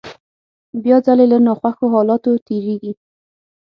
بيا ځلې له ناخوښو حالاتو تېرېږي.